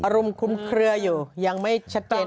รุมคุ้มเคลืออยู่ยังไม่ชัดเจน